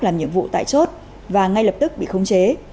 làm nhiệm vụ tại chốt và ngay lập tức bị khống chế